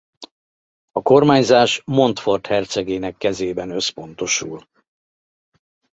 A kormányzás Montfort hercegének kezében összpontosul.